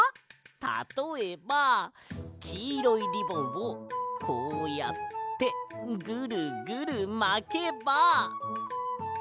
たとえばきいろいリボンをこうやってグルグルまけば。